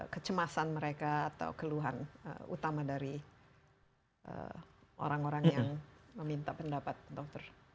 kecemasan mereka atau keluhan utama dari orang orang yang meminta pendapat dokter